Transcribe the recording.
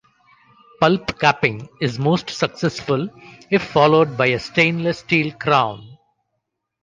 Pulp capping is most successful if followed by a stainless steel crown.